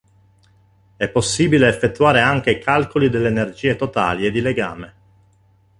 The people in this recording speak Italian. È possibile effettuare anche calcoli delle energie totali e di legame.